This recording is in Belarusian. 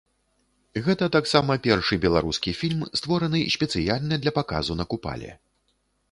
Гэта таксама першы беларускі фільм, створаны спецыяльна для паказу на купале.